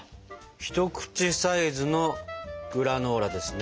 一口サイズのグラノーラですね。